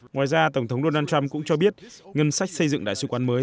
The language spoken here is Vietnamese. ngoài ra tổng thống donald trump cũng cho biết ngân sách xây dựng đại sứ quán mới